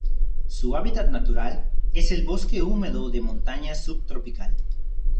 Su hábitat natural es el bosque húmedo de montaña subtropical.